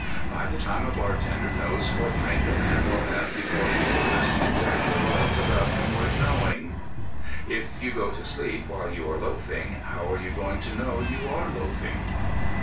By the time a bartender knows what drink a man will have before he orders, there is little else about him worth knowing. If you go to sleep while you are loafing, how are you going to know you are loafing?